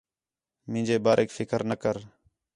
مینجے باریک فِکر نہ کر